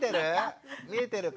見えてる？